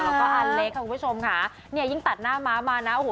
แล้วก็อันเล็กค่ะคุณผู้ชมค่ะเนี่ยยิ่งตัดหน้าม้ามานะโอ้โห